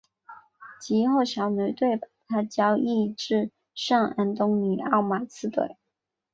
及后小牛队把他交易至圣安东尼奥马刺队。